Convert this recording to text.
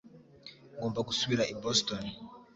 Ngomba gusubira i Boston